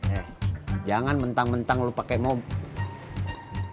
eh jangan mentang mentang lo pakai mobil